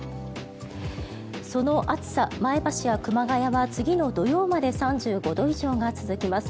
その暑さ、前橋や熊谷は次の土曜日まで３５度以上が続きます。